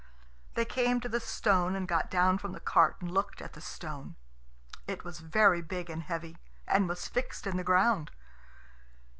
They came to the stone, and got down from the cart and looked at the stone. It was very big and heavy, and was fixed in the ground.